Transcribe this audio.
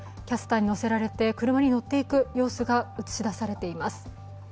キャスターに載せられて車に乗っていく様子が写し出されています。